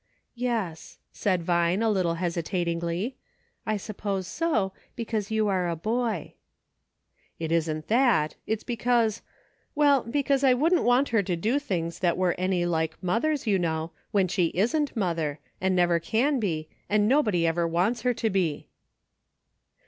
" Yes," said Vine, a little hesitatingly ;" I sup pose so, because you are a boy." "It isn't that. It's because — well, because I wouldn't want her to do things that were any like mother's, you know, when she isn't mother, and never can be, and nobody ever wants her to be."